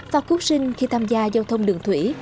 phát quốc sinh khi tham gia giao thông đường thủy